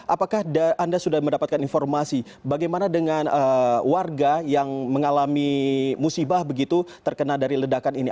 apakah anda sudah mendapatkan informasi bagaimana dengan warga yang mengalami musibah begitu terkena dari ledakan ini